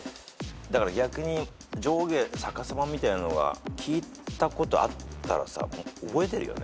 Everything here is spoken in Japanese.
逆に上下逆さまみたいなの聞いたことあったら覚えてるよね。